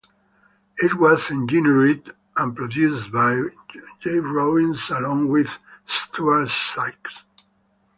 It was engineered and produced by J. Robbins along with Stuart Sikes.